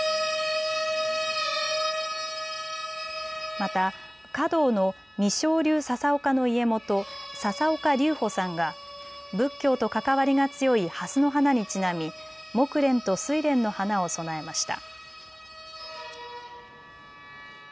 また華道の未生流笹岡の家元、笹岡隆甫さんが仏教と関わりが強いはすの花にちなみもくれんとすいれんの花を供えました。